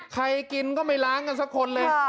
กินก็ไม่ล้างกันสักคนเลย